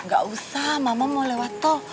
gak usah mama mau lewat tol